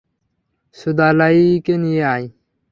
সুদালাইকে নিয়ে আয়।